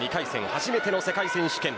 初めての世界選手権。